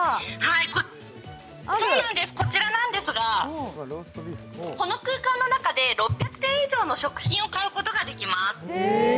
こちらなんですがこの空間の中で６００点以上の食品を買うことができます。